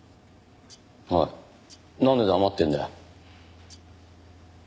おいなんで黙ってるんだよ？